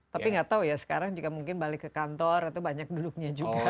tapi nggak tahu ya sekarang juga mungkin balik ke kantor atau banyak duduknya juga